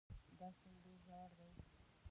دا سیند ډېر ژور دی.